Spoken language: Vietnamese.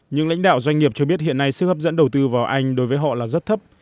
những lãnh đạo doanh nghiệp cho biết hiện nay sức hấp dẫn đầu tư vào anh đối với họ là rất thấp